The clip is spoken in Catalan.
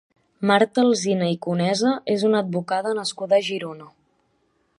Marta Alsina i Conesa és una advocada nascuda a Girona.